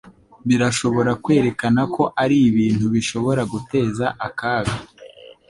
Birashobora kwerekana ko ari ibintu bishobora guteza akaga.